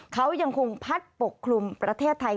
เขายังคงพัดปกคลุมประเทศไทย